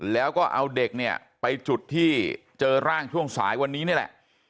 แล้วก็เอาเด็กเนี่ยไปจุดที่เจอร่างช่วงสายวันนี้นี่แหละ